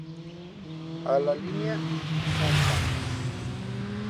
A la línea Sta.